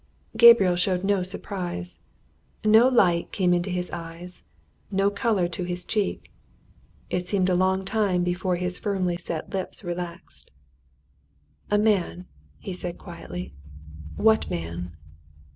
Gabriel showed no surprise. No light came into his eyes, no colour to his cheek. It seemed a long time before his firmly set lips relaxed. "A man?" he said quietly. "What man?"